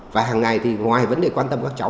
và hàng ngày thì ngoài vấn đề quan tâm các cháu